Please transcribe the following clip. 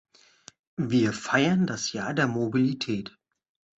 Wir feiern das Jahr der Mobilität.